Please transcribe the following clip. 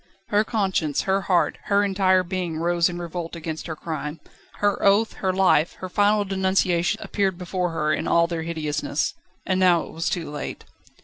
Her conscience, her heart, her entire being rose in revolt against her crime. Her oath, her life, her final denunciation appeared before her in all their hideousness. And now it was too late.